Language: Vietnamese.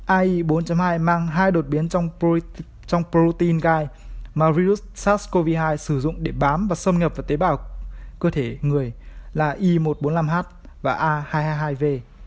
ai bốn hai mang hai đột biến trong protein gai mà virus sars cov hai sử dụng để bám và xâm nhập vào tế bào cơ thể người là i một trăm bốn mươi năm h và a hai trăm hai mươi hai v